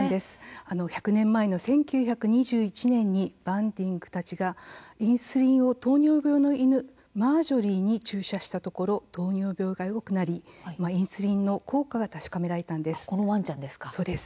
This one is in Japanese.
１００年前の１９２１年にバンティングたちがインスリンを糖尿病の犬マージョリーに注射したところ糖尿病がよくなりインスリンの効果が確かめられたんです。